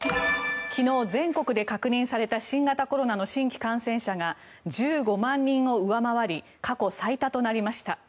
昨日、全国で確認された新型コロナの新規感染者が１５万人を上回り過去最多となりました。